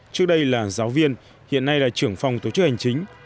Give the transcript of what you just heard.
trước đây là giáo viên hiện nay là trưởng phòng tổ chức hành chính